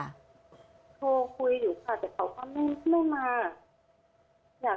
โทรคุยอยู่ค่ะ